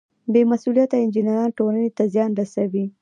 بې مسؤلیته انجینران ټولنې ته زیان رسوي.